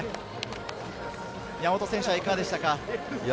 山本選手、いかがでしたか？